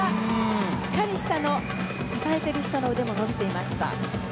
しっかり下の支えている人の腕も伸びていました。